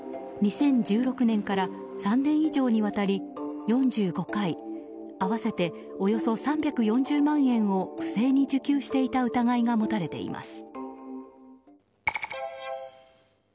２０１６年から３年以上にわたり４５回合わせておよそ３４０万円を不正に受給していた疑いが持たれています。